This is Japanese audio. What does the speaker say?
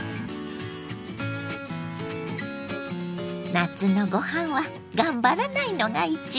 夏のご飯は頑張らないのが一番！